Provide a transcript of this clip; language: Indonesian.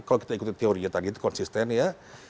kalau kita ikuti teorinya tadi itu konsisten ya